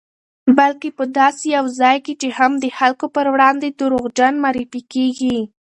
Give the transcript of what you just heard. بلکې په داسې یو ځای کې هم د خلکو پر وړاندې دروغجن معرفي کېږي